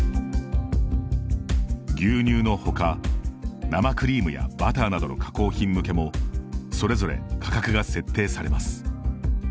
牛乳のほか、生クリームやバターなどの加工品向けもそれぞれ価格が設定されます。